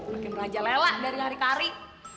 makin meraja lela dari hari kari